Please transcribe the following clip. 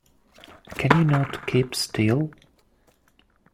Can you not keep still?